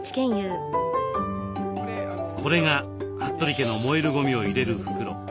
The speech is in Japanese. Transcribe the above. これが服部家の燃えるゴミを入れる袋。